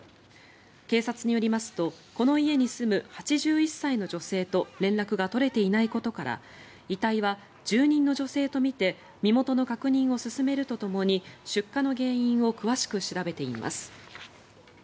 警察によりますとこの家に住む８１歳の女性と連絡が取れていないことから遺体は住人の女性とみて身元の確認を進めるとともに出火の原因を詳しく調べています。